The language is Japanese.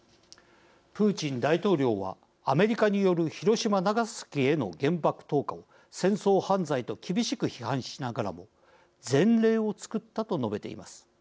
プーチン大統領はアメリカによる広島長崎への原爆投下を戦争犯罪と厳しく批判しながらも前例を作ったと述べています。